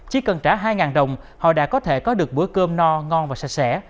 chỉ cần trả hai đồng họ đã có thể có được bữa cơm no ngon và sạch sẽ